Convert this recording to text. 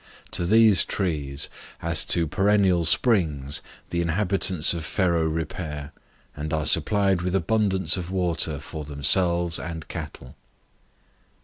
To these trees, as to perennial springs, the inhabitants of Ferro repair, and are supplied with abundance of water for themselves and cattle.